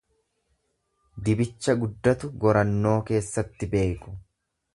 Dibicha guddatu gorannoo keessatti beeku.